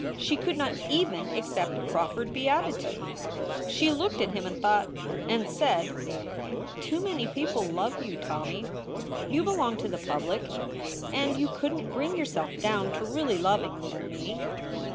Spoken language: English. She could not even accept a proffered beatitude. She looked at him and thought and said: "Too many people love you, Tommy. You belong to the public, and you couldn t bring yourself down to really loving little me."